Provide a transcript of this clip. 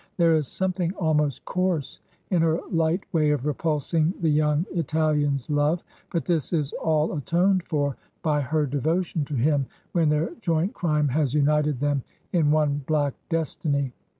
There is something ahnost coarse in her light way of repulsing the young Italian's love; but this is all atoned for by her devotion to him when their joint crime has imited them in one black destiny.